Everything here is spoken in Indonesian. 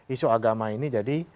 isu agama ini jadi